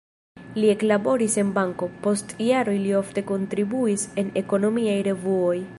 Li eklaboris en banko, post jaroj li ofte kontribuis en ekonomiaj revuoj.